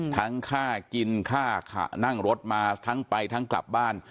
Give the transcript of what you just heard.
ทั้งห้ากินห้านั่งรถมาทั้งไปทั้งกลับบ้าน